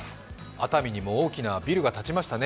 熱海にも大きなビルが建ちましたね。